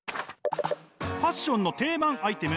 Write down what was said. ファッションの定番アイテム